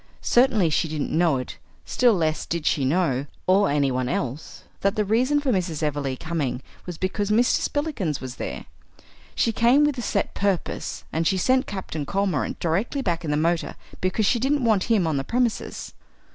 Certainly she didn't know it; still less did she know, or anyone else, that the reason of Mrs. Everleigh's coming was because Mr. Spillikins was there. She came with a set purpose, and she sent Captain Cormorant directly back in the motor because she didn't want him on the premises.